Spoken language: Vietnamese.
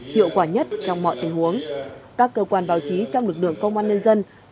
hiệu quả nhất trong mọi tình huống